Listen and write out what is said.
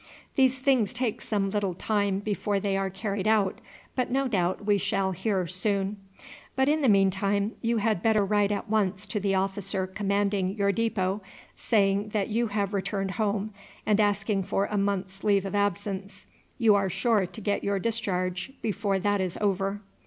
These things take some little time before they are carried out, but no doubt we shall soon hear. But in the meantime you had better write at once to the officer commanding your depôt, saying that you have returned home, and asking for a month's leave of absence. You are sure to get your discharge before that is over."